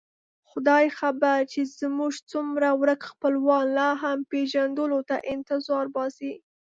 خدای خبر چې زموږ څومره ورک خپلوان لا هم پېژندلو ته انتظار باسي.